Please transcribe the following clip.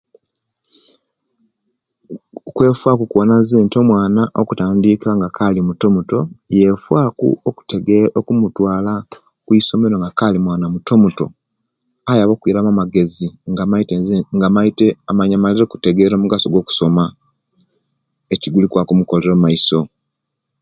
Kwefaku kuwona nzenti omwana okutandika nga akali mutomuto yefaku okutege okumutwala kwisomero nga akali mwana muto muto ayabe okwiramu amagezi nga amaite nzee nga amalire okutegera omugaso gwokusoma ekigukwaba kumukolera mumaiso